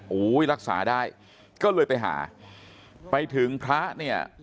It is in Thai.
โอ้โหรักษาได้ก็เลยไปหาไปถึงพระเนี่ย